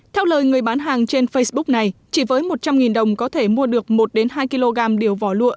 theo lời người bán hàng trên facebook này chỉ với một trăm linh đồng có thể mua được một hai kg điều vỏ lụa